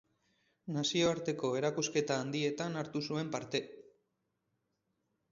Nazioarteko erakusketa handietan hartu zuen parte.